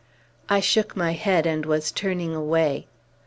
I shook my head, and was turning away.